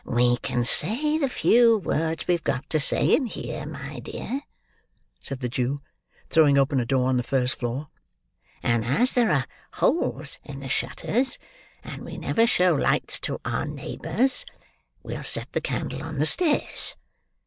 "We can say the few words we've got to say in here, my dear," said the Jew, throwing open a door on the first floor; "and as there are holes in the shutters, and we never show lights to our neighbours, we'll set the candle on the stairs.